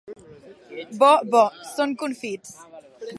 Bo, bo, són confits.